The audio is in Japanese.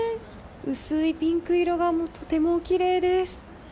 薄いピンク色がとてもきれいです。